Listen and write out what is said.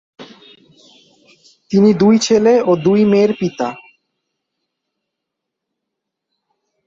তিনি দুই ছেলে ও দুই মেয়ের পিতা।